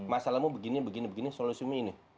masalahmu begini begini begini solusium ini